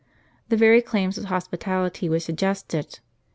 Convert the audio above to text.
The very claims of hosj^itality would suggest it.